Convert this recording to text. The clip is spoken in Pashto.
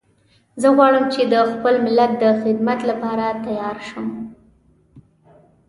زه غواړم چې د خپل ملت د خدمت لپاره تیار شم